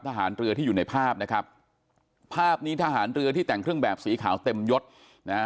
ทหารเรือที่อยู่ในภาพนะครับภาพนี้ทหารเรือที่แต่งเครื่องแบบสีขาวเต็มยศนะฮะ